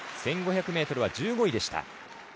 １５００ｍは１５位でした。